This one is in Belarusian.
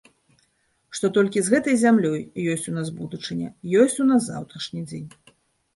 Што толькі з гэтай зямлёй ёсць у нас будучыня, ёсць у нас заўтрашні дзень.